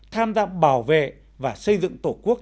tham gia bảo vệ và xây dựng tổ quốc